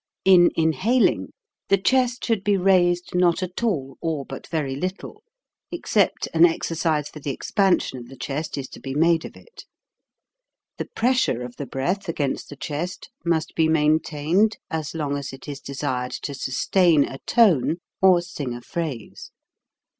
In inhaling, the chest should be raised 178 THE TREMOLO 179 not at all or but very little except an exer cise for the expansion of the chest is to be made of it. The pressure of the breath against the chest must be maintained as long as it is desired to sustain a tone or sing a phrase.